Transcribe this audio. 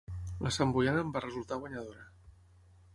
La Santboiana en va resultar guanyadora.